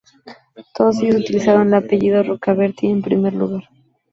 Todos ellos utilizaron el apellido Rocabertí en primer lugar.